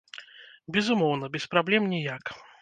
Безумоўна, без праблем ніяк.